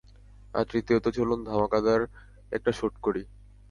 আর তৃতীয়ত, চলুন ধামাকাদার একটা শুট করি!